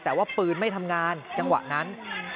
แต่ว่าปืนไม่ทำงานจังหวะนั้น